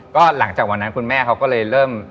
ก็หลังจากวันนั้นคุณแม่เขาก็เลยเริ่ม